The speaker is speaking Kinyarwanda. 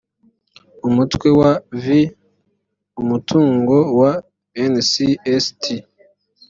umutwe wa v: umutungo wa ncst